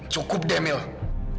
cukup deh mila